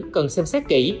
cần xem xét kỹ